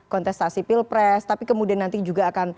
kontestasi pilpres tapi kemudian nanti juga akan